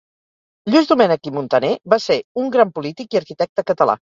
Lluís Domènech i Montaner va ser un gran polític i arquitecte català.